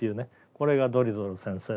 これがドリトル先生のえ